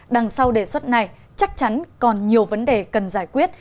đằng sau đề xuất này chắc chắn còn nhiều vấn đề cần giải quyết